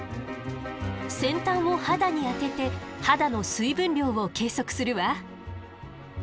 先端を肌に当てて肌の水分量を計測するわ。